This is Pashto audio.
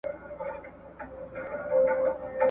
زه د حق په نوم راغلی زه له خپلي ژبي سوځم ..